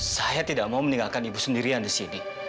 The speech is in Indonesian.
saya tidak mau meninggalkan ibu sendirian disini